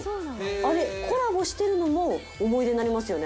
あれコラボしてるのも思い出になりますよね。